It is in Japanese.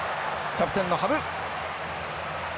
キャプテンの土生。